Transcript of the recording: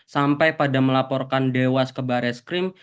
sampai pada melaporkan dewas ke baris krim